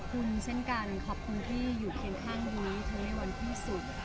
ขอบคุณเช่นกันขอบคุณที่อยู่เพลงข้างยุ๋ยขอบคุณที่อยู่เพลงข้างยุ๋ย